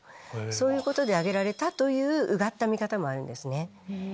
そういうことで上げられたといううがった見方もあるんですね。